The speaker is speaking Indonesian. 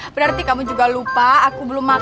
berarti kamu juga lupa aku belum makan